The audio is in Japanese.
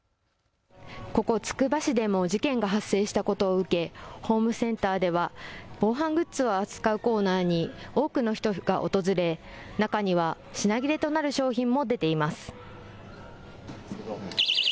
ここつくば市でも事件が発生したことを受け、ホームセンターでは防犯グッズを扱うコーナーに多くの人が訪れ、中には品切れとなる商品も出ています。